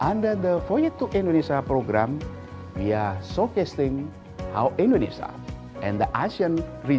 selain dari program foyet to indonesia kami juga menunjukkan bagaimana indonesia dan kawasan asia